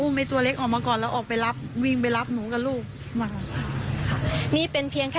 หนีทันพอดีค่ะยังไม่รู้ทีนอนนะคะ